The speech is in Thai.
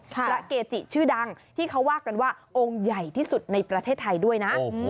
เกจิชื่อดังที่เขาว่ากันว่าองค์ใหญ่ที่สุดในประเทศไทยด้วยนะ